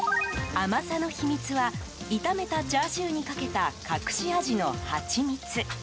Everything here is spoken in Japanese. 甘さの秘密は炒めたチャーシューにかけた隠し味のハチミツ。